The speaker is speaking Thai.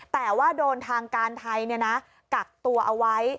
แต่ว่าโดนทางการไทยกักตัวเอาไว้